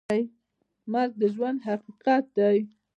مرګ د ژوند حقیقت دی؟